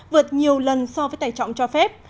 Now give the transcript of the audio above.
vượt nhiều lần so với tài trọng cho phép